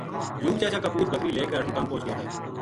یوب چا چا کا پُوت بکری لے کے اٹھمقام پوہچ گیا تھا